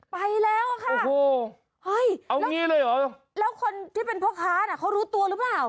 ไปแล้วอะค่ะเฮ้ยเอางี้เลยเหรอแล้วคนที่เป็นพ่อค้าน่ะเขารู้ตัวหรือเปล่า